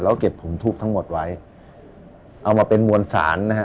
แล้วเก็บผงทูบทั้งหมดไว้เอามาเป็นมวลสารนะฮะ